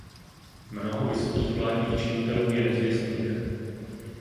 Mnoho vysokých vládních činitelů je nezvěstných.